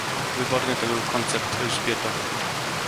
"wyborny to był koncept, Elżbieto!"